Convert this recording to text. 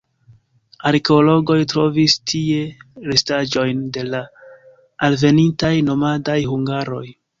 Arkeologoj trovis tie restaĵojn de la alvenintaj nomadaj hungaroj.